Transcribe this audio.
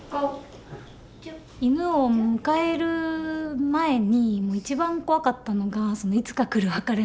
犬を迎える前に一番怖かったのがいつか来る別れのことで。